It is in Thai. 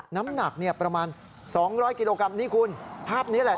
น้ำหนักเนี่ยประมาณ๒๐๐กิโลกรัมนี่คุณภาพนี้แหละ